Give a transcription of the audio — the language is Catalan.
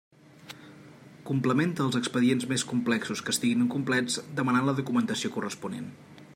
Complementa els expedients més complexos que estiguin incomplets demanant la documentació corresponent.